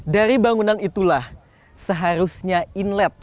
dari bangunan itulah seharusnya inlet